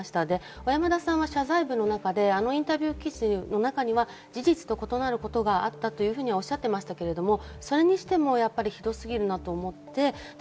小山田さんは謝罪文でインタビュー記事の中には事実と異なることがあったとおっしゃっていましたが、それにしても、ひどすぎるなと思って。